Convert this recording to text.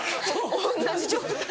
同じ状態。